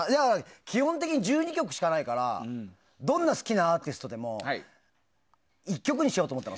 基本的に１２曲しかないからどんな好きなアーティストでも１曲にしようと思ったの。